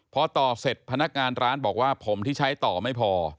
พอต่อเสร็จพนักงานร้านบอกว่าผมที่ใช้ต่อไม่พอ